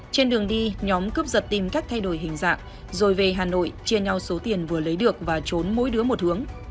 trên đường đi nhóm cướp giật tìm cách thay đổi hình dạng rồi về hà nội chia nhau số tiền vừa lấy được và trốn mỗi đứa một hướng